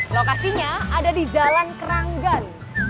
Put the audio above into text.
lokasinya ada di jalan keranggan